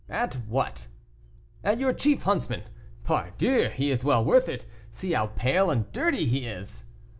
"At what?" "At your chief huntsman; pardieu, he is well worth it. See how pale and dirty he is!"